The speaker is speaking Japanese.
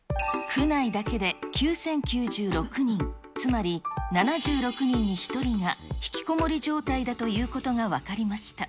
区内だけで９０９６人、つまり、７６人に１人がひきこもり状態だということが分かりました。